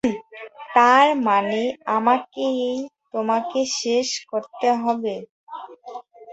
তারমানে আমাকেই তোমাকে শেষ করতে হবে।